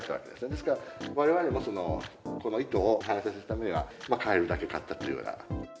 ですからわれわれも、この意図を反映させるためには、買えるだけ買ったというような。